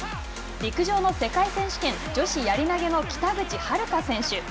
陸上の世界選手権女子やり投げの北口榛花選手。